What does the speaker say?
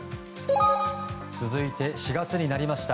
続いて４月になりました。